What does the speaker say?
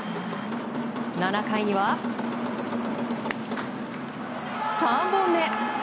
７回には３本目。